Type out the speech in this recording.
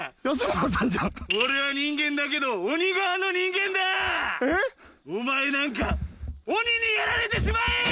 俺は人間だけどお前なんか鬼にやられてしまえー！